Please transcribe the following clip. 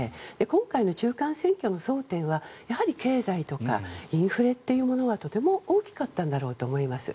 今回の中間選挙の争点はやはり経済とかインフレというものはとても大きかったんだろうと思います。